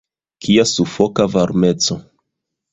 Kia sufoka varmeco!